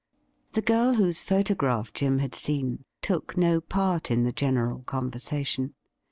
The girl whose photograph Jim had seen took no part in the general conversation.